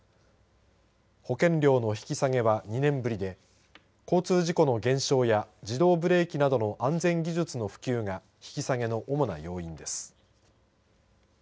保険料の引き下げは２年ぶりで交通事故の減少や自動ブレーキなどの安全技術の普及が引き下げの主な要因です。